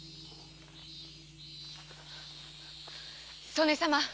曽根様。